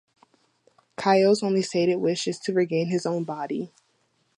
Kyo's only stated wish is to regain his own body.